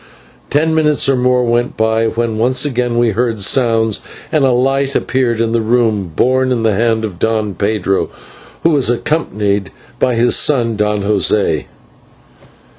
Ten minutes or more went by, when once again we heard sounds, and a light appeared in the room, borne in the hand of Don Pedro, who was accompanied by his son, Don José.